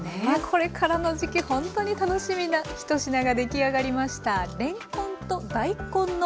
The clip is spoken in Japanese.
これからの時期ほんとに楽しみな１品が出来上がりました。